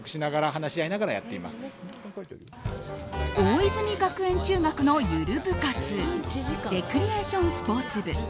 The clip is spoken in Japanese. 大泉学園中学のゆる部活レクリエーションスポーツ部。